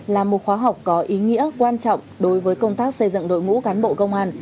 là một khóa học có ý nghĩa quan trọng đối với công tác xây dựng đội ngũ cán bộ công an